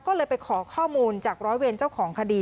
ก็เลยไปขอข้อมูลจากร้อยเวรเจ้าของคดี